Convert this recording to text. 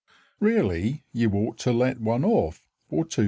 Really you ought to let one off for 2s.